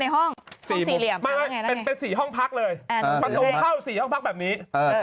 ร้องเพลงด้วยพี่